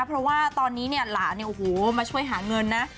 เพราะว่าตอนนี้เนี่ยหลานเนี่ยโอ้โหมาช่วยหาเงินนะ